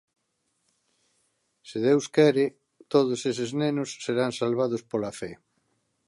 Se Deus quere, todos eses nenos serán salvados pola fe.